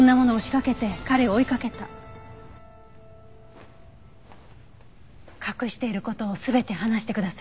隠している事を全て話してください。